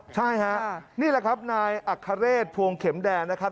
ใช่ฮะนี่แหละครับนายอัคเรศพวงเข็มแดนนะครับ